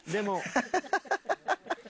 ハハハハ！